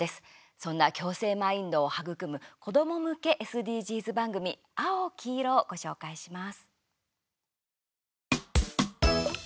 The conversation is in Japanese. そんな共生マインドを育む子ども向けＳＤＧｓ番組「あおきいろ」ご紹介します。